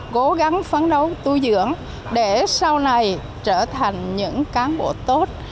cố gắng phấn đấu tu dưỡng để sau này trở thành những cán bộ tốt